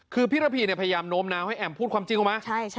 คือพี่ระพีพยายามโน้มน้าวให้แอมพูดความจริงออกมา